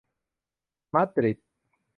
มาดริด